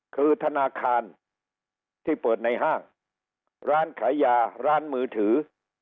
คือธนาคารที่เปิดในห้างร้านขายยาร้านมือถือ